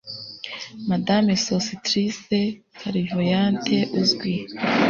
Madame Sosostris clairvoyante uzwi